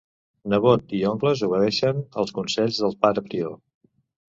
Nebot i oncles obeeixen els consells del pare prior.